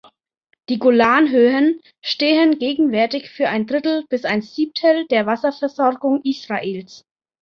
Die Golanhöhen stehen gegenwärtig für ein Drittel bis ein Siebtel der Wasserversorgung Israels.